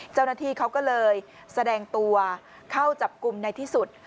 เจ้าหน้าที่เขาก็เลยแสดงตัวเข้าจับกลุ่มในที่สุด